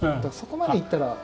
そこまでいったら。